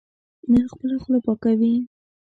نن خپله خوله پاکوي.